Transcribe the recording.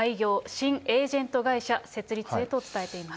新エージェント会社設立へと伝えています。